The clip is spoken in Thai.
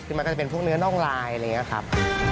คือมันก็จะเป็นพวกเนื้อน่องลายอะไรอย่างนี้ครับ